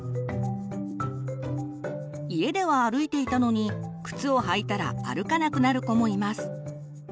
家では歩いていたのに靴を履いたら歩かなくなる子もいます。